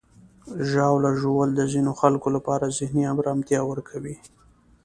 ژاوله ژوول د ځینو خلکو لپاره ذهني آرامتیا ورکوي.